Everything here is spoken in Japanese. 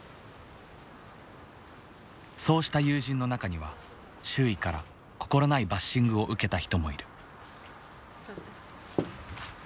そうした友人の中には周囲から心ないバッシングを受けた人もいる。